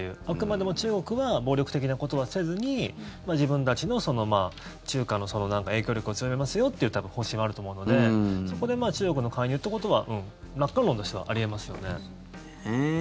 あくまでも中国は暴力的なことはせずに自分たちの中華の影響力を強めますよっていう多分、方針はあると思うのでそこで中国の介入ということは楽観論としてはあり得ますよね。